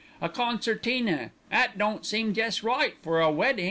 "A concertina 'at don't seem jest right for a weddin'!"